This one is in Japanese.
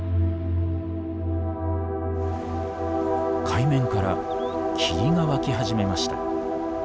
海面から霧が湧き始めました。